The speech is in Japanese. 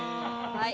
はい。